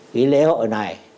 cái lễ hội này